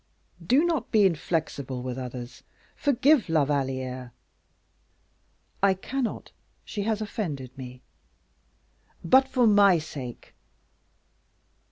Do not be inflexible with others; forgive La Valliere." "I cannot; she has offended me." "But for my sake."